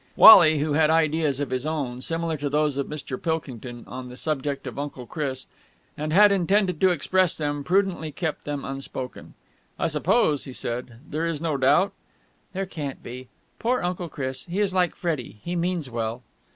Wally, who had ideas of his own similar to those of Mr. Pilkington on the subject of Uncle Chris and had intended to express them, prudently kept them unspoken. "I suppose," he said, "there is no doubt...?" "There can't be. Poor Uncle Chris! He is like Freddie. He means well!"